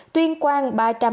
tuyên quang ba trăm năm mươi hai